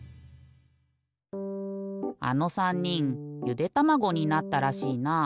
あの３にんゆでたまごになったらしいな。